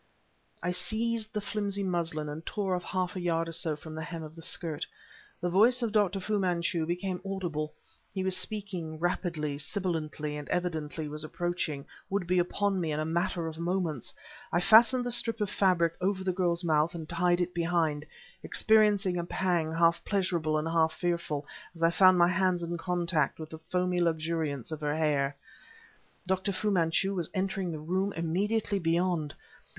I seized the flimsy muslin and tore off half a yard or so from the hem of the skirt. The voice of Dr Fu Manchu became audible. He was speaking rapidly, sibilantly, and evidently was approaching would be upon me in a matter of moments. I fastened the strip of fabric over the girl's mouth and tied it behind, experiencing a pang half pleasurable and half fearful as I found my hands in contact with the foamy luxuriance of her hair. Dr. Fu Manchu was entering the room immediately beyond.